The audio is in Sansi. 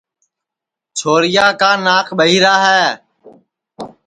چھورِیا کا ناک ٻہیرا ہے